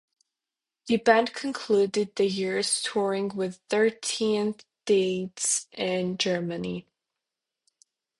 The band concluded the year's touring with thirteen dates in Germany.